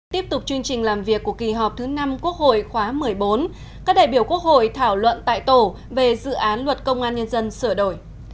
tiếp tục chương trình làm việc của kỳ họp thứ năm quốc hội khóa một mươi bốn các đại biểu quốc hội thảo luận tại tổ về dự án luật công an nhân dân sửa đổi